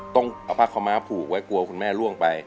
ต้องเอาผ้าขาวม้าผูกไว้กลัวคุณแม่ล่วงไป